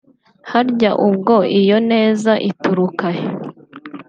harya ubwo iyo neza ituruka he